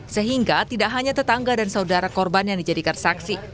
sehingga tidak hanya tetangga dan saudara korban yang dijadikan saksi